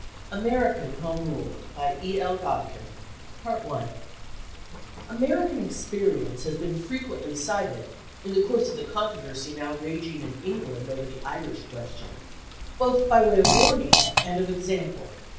] AMERICAN HOME RULE BY E.L. GODKIN American experience has been frequently cited, in the course of the controversy now raging in England over the Irish question, both by way of warning and of example.